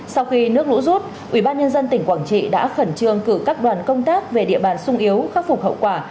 sau khi nước lũ rút ubnd tỉnh quảng trị đã khẩn trương cử các đoàn công tác về địa bàn sung yếu khắc phục hậu quả